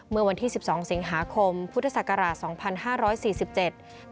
เมื่อวันที่๑๒สิงหาคมพุทธศักราช๒๕๔๗